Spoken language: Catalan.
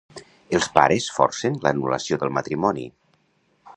Els pares forcen l'anul·lació del matrimoni.